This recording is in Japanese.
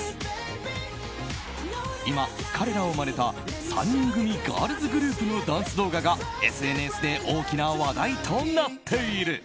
今、彼らをまねた３人組ガールズグループのダンス動画がＳＮＳで大きな話題となっている。